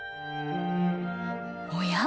おや？